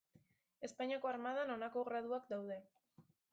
Espainiako Armadan honako graduak daude.